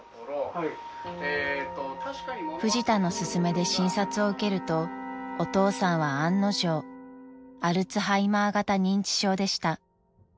［フジタの勧めで診察を受けるとお父さんは案の定アルツハイマー型認知症でした］